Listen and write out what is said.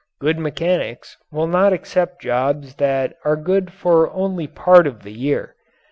Good mechanics will not accept jobs that are good for only part of the year.